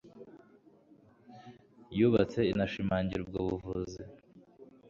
yubatse inashimangira ubwo buvuzi